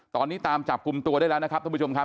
ตอนนี้ตามจับกลุ่มตัวได้แล้วนะครับท่านผู้ชมครับ